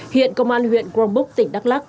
hiện công an huyện grongbúc tỉnh đắk lắc